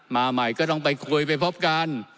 มาใหม่ก็ต้องไปคุยไปพบกัน